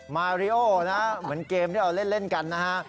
มาริโอนะเหมือนเกมที่เราเล่นกันนะฮะ